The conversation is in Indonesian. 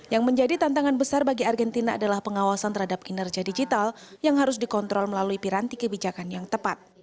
yang menjadi tantangan besar bagi argentina adalah pengawasan terhadap kinerja digital yang harus dikontrol melalui piranti kebijakan yang tepat